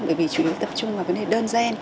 bởi vì chủ yếu tập trung vào vấn đề đơn giản